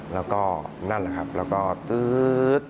แล้วก็นั่นแหละครับแล้วก็ตื๊ด